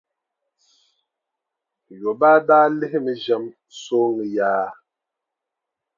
Yobaa daa lihimi ʒɛm sooŋa yaa.